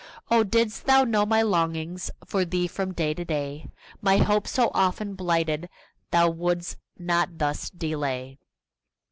Oh, didst thou know my longings For thee, from day to day, My hopes, so often blighted, Thou wouldst not thus delay!